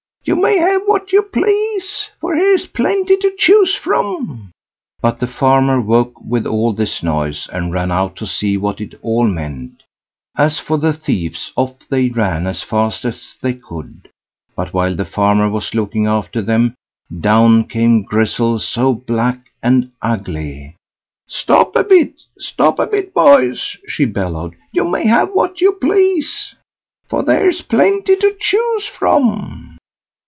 "You may have what you please, for here's plenty to choose from." But the farmer woke with all this noise, and ran out to see what it all meant. As for the thieves, off they ran as fast as they could; but while the farmer was looking after them, down came Grizzel so black and ugly. "Stop a bit! stop a bit, boys!" she bellowed; "you may have what you please, for there's plenty to choose from."